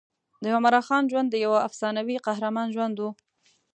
د عمراخان ژوند د یوه افسانوي قهرمان ژوند و.